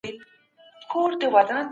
د نړۍ د شيانو نومونه حضرت آدم ته وښودل سول.